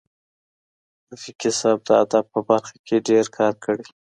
رفیقي صاحب د ادب په برخه کي ډېر کار کړی.